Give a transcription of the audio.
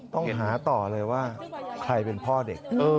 ต้องหาต่อเลยว่าใครเป็นพ่อเด็ก